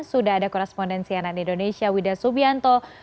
sudah ada korespondensi anan indonesia wida subianto